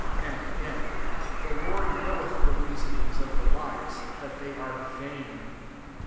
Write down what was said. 20 And again, " The Lord knoweth the reasonings of he wise, that they are vain.''